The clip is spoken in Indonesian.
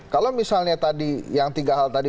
kalau misalnya tadi yang tiga hal tadi